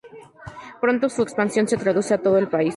Pronto su expansión se traduce a todo el país.